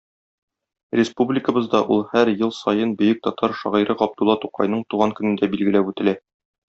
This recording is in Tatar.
Республикабызда ул һәр ел саен бөек татар шагыйре Габдулла Тукайның туган көнендә билгеләп үтелә.